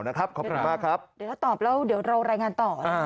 เดี๋ยวเราตอบแล้วเดี๋ยวเรารายงานต่อ